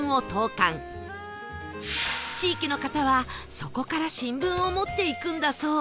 地域の方はそこから新聞を持っていくんだそう